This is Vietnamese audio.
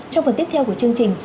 trong phần tiếp theo của chương trình